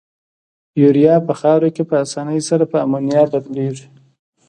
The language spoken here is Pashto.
یوریا په خاوره کې په اساني سره په امونیا بدلیږي.